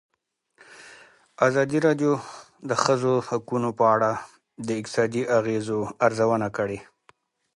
ازادي راډیو د د ښځو حقونه په اړه د اقتصادي اغېزو ارزونه کړې.